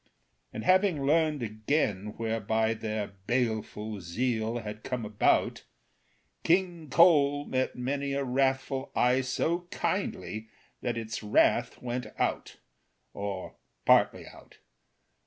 And having learned again whereby Their baleful zeal had come about, King Cole met many a wrathful eye So kindly that its wrath went out Or partly out.